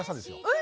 え！